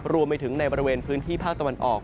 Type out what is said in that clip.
รวมไปถึงในบริเวณพื้นที่ภาคตะวันออก